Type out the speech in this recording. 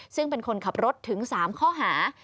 ซึ่งเป็นคนขับรถถึง๓ข้อหา